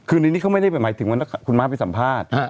คือในนี้เขาไม่ได้หมายถึงว่าคุณม้าไปสัมภาษณ์